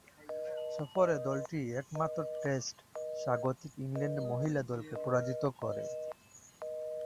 সফরে দলটি একমাত্র টেস্টে স্বাগতিক ইংল্যান্ড মহিলা দলকে পরাজিত করে।